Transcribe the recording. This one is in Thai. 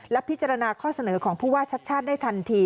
และพิจารณาข้อเสนอของผู้ว่าชัดชาติได้ทันที